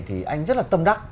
thì anh rất là tâm đắc